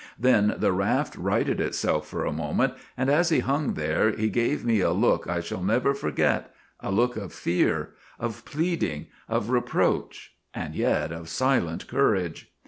Then the raft righted itself for a moment, and as he hung there he gave me a look I shall never forget a look of fear, of pleading, of reproach, and yet of silent courage.